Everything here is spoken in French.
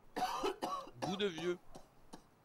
Goût de vieux.